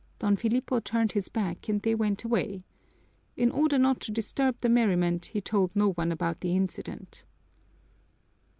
Don Filipo turned his back and they went away. In order not to disturb the merriment he told no one about the incident.